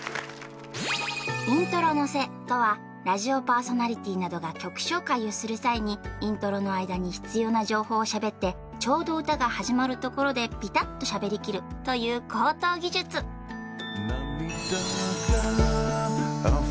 イントロ乗せとはラジオパーソナリティーなどが曲紹介をする際にイントロの間に必要な情報をしゃべってちょうど歌が始まるところでピタッとしゃべりきるという高等技術「涙があふれる」